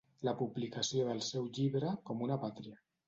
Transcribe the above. La publicació del seu llibre Com una pàtria.